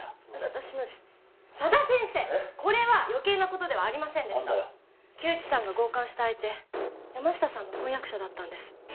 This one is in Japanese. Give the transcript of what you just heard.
私のですね佐田先生ッこれは余計なことではありませんでした木内さんが強姦した相手山下さんの婚約者だったんです